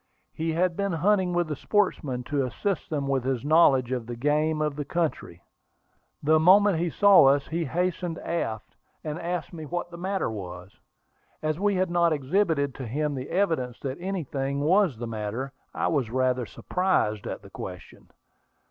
He had been hunting with the sportsmen, to assist them with his knowledge of the game of the country. The moment he saw us he hastened aft, and asked me what the matter was. As we had not exhibited to him the evidences that anything was the matter, I was rather surprised at the question.